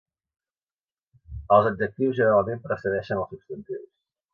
Els adjectius generalment precedeixen als substantius.